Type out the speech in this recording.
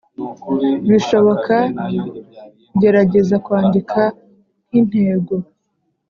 bishoboka Gerageza kwandika nk intego